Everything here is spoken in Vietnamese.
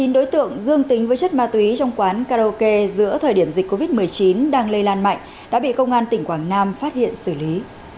chín đối tượng dương tính với chất ma túy trong quán karaoke giữa thời điểm dịch covid một mươi chín đang lây lan mạnh đã bị công an tỉnh quảng nam phát hiện xử lý